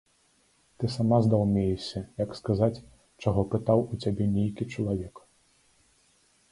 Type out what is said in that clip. Ты сама здаўмеешся, як сказаць, чаго пытаў у цябе нейкі чалавек.